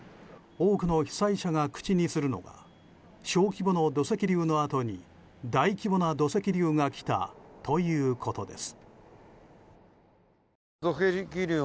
多くの被災者が口にするのが小規模の土石流のあとに大規模な土石流が来たということです。